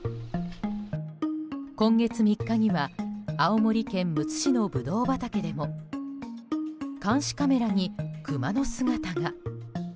今月３日には青森県むつ市のブドウ畑でも監視カメラにクマの姿が。